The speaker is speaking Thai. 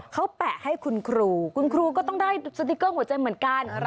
เขาแปะให้คุณครูคุณครูก็ต้องได้สติ๊กเกอร์หัวใจเหมือนกัน